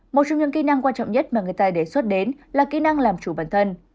một trong những kỹ năng quan trọng nhất mà người ta đề xuất đến là kỹ năng làm chủ bản thân